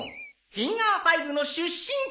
フィンガー５の出身地は？